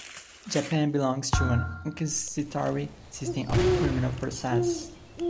Japan belongs to an inquisitory system of criminal process.